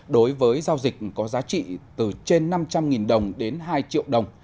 đối với giao dịch có giá trị từ trên năm trăm linh đồng đến hai triệu đồng